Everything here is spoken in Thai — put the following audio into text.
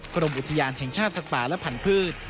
กรมอุทยานแห่งชาติสัตว์ป่าและพันธุ์